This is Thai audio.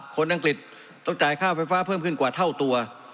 อังกฤษต้องจ่ายค่าไฟฟ้าเพิ่มขึ้นกว่าเท่าตัว